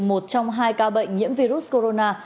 một trong hai ca bệnh nhiễm virus corona